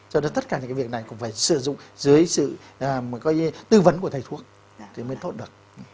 cho nên tất cả những cái việc này cũng phải sử dụng dưới sự tư vấn của thầy thuốc thì mới tốt được